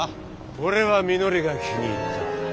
俺はみのりが気に入った。